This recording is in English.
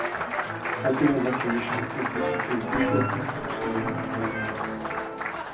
Popular recreational activities include bushwalking, abseiling and gliding.